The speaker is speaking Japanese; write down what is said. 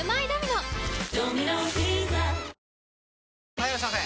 ・はいいらっしゃいませ！